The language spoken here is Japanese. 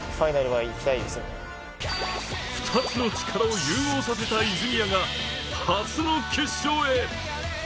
２つの力を融合させた泉谷が初の決勝へ。